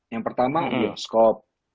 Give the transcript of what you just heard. yang pertama bioskop